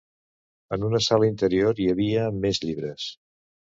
En una sala interior hi havia més llibres.